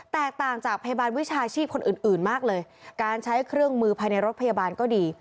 แตกต่างจากพยาบาลวิชาชีพคนอื่นอื่นมากเลยการใช้เครื่องมือภายในรถพยาบาลก็ดี